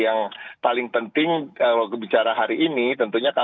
yang kedua ketika seperti dikira sisi kesulowa ayo sembunyi tinggal bisa